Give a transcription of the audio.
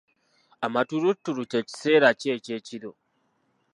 Amatulutulu ky’ekiseera ki eky’ekiro?